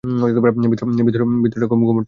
ভিতরটা খুব গুমোট, তাই না?